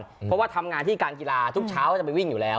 เพราะว่าทำงานที่การกีฬาทุกเช้าก็จะไปวิ่งอยู่แล้ว